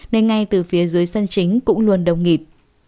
nên ngay từ phía dưới sân chính cũng luôn đông nghịt